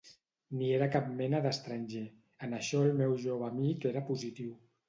Ni era cap mena d'estranger, en això el meu jove amic era positiu.